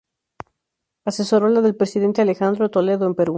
Asesoró la del presidente Alejandro Toledo en Perú.